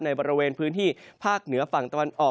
ในบริเวณพื้นที่ภาคเหนือฝั่งตะวันออก